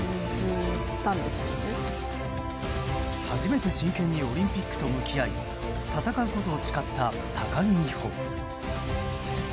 初めて真剣にオリンピックと向き合い戦うことを誓った高木美帆。